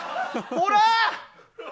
ほら。